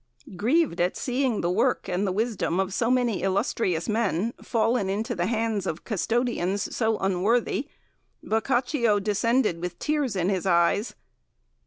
"Grieved at seeing the work and the wisdom of so many illustrious men fallen into the hands of custodians so unworthy, Boccaccio descended with tears in his eyes.